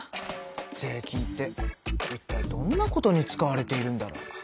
税金っていったいどんなことに使われているんだろう？